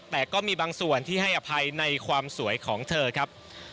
แต่ก็มีบางส่วนที่ให้อภัยในความสวยของเธอครับ